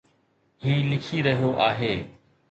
هي لکي رهيو آهي